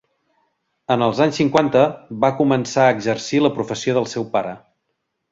En els anys cinquanta va començar a exercir la professió del seu pare.